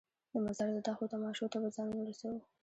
د مزار د دښتو تماشو ته به ځانونه رسوو.